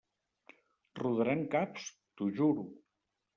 Rodaran caps, t'ho juro!